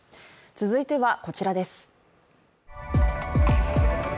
続いては、こちらです。